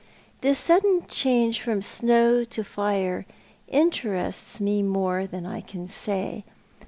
This sudden change from snow to fire interests me more than I can say.